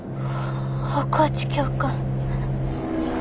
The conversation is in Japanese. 大河内教官。